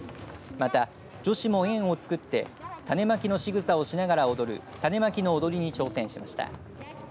また、女子も円をつくって種まきのしぐさをしながら踊る種まきの踊りに挑戦しました。